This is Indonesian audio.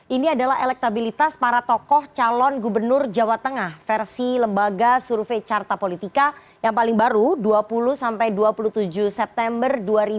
ini adalah elektabilitas para tokoh calon gubernur jawa tengah versi lembaga survei carta politika yang paling baru dua puluh dua puluh tujuh september dua ribu dua puluh